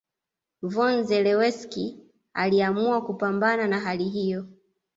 Von Zelewski aliamua kupambana na hali hiyo